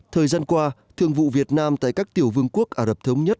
thời gian qua thương vụ việt nam tại các tiểu vương quốc ả rập thống nhất